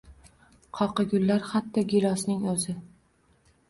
qoqigullar hatto gilosning oʼzi